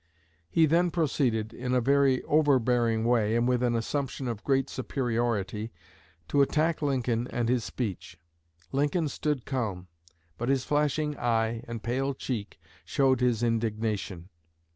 He then proceeded, in a very overbearing way, and with an assumption of great superiority, to attack Lincoln and his speech. Lincoln stood calm, but his flashing eye and pale cheek showed his indignation.